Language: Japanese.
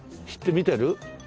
見てる？